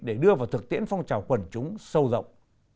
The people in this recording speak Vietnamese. để đưa vào thực tiễn phong trào quần chúng sâu rộng